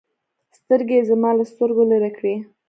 سترگې يې زما له سترگو لرې کړې.